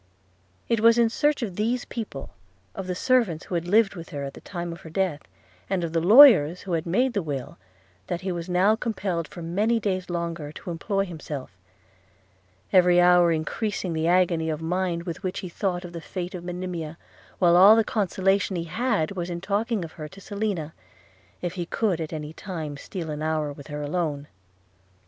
It was in search of these people, of the servants who had lived with her at the time of her death, and of the lawyers who had made the will, that he was now compelled for many days longer to employ himself; every hour increasing the agony of mind with which he thought on the fate of Monimia, while all the consolation he had was in talking of her to Selina, if he could at any time steal an hour with her alone.